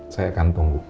saya akan tunggu